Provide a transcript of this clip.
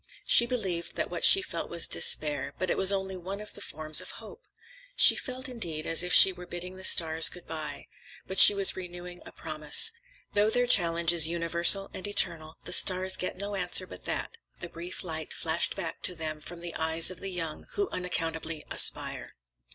She believed that what she felt was despair, but it was only one of the forms of hope. She felt, indeed, as if she were bidding the stars good bye; but she was renewing a promise. Though their challenge is universal and eternal, the stars get no answer but that,—the brief light flashed back to them from the eyes of the young who unaccountably aspire.